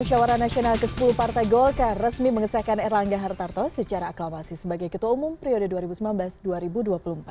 musyawara nasional ke sepuluh partai golkar resmi mengesahkan erlangga hartarto secara aklamasi sebagai ketua umum periode dua ribu sembilan belas dua ribu dua puluh empat